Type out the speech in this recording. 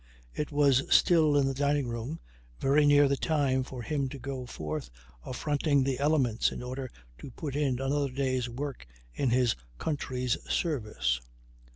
It was still in the dining room, very near the time for him to go forth affronting the elements in order to put in another day's work in his country's service.